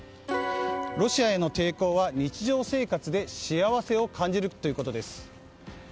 ロシアへの抵抗は日常生活で幸せを感じるということです。